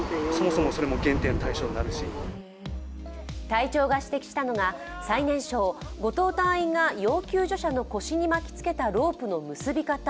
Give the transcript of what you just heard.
隊長が指摘したのが、最年少・後藤隊員が要救助者の腰に巻きつけたロープの結び方。